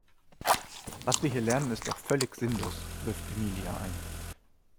Was wir hier lernen ist doch völlig sinnlos, wirft Emilia ein.